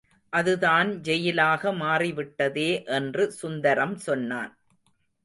அது தான் ஜெயிலாக மாறிவிட்டதே என்று சுந்தரம் சொன்னான்.